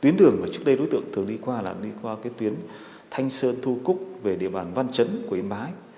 tuyến đường mà trước đây đối tượng thường đi qua là đi qua cái tuyến thanh sơn thu cúc về địa bàn văn chấn của yên bái